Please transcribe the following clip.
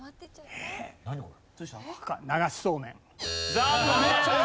残念！